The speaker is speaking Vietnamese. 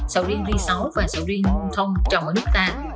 sầu riêng ri sáu và sầu riêng thong trồng ở nước ta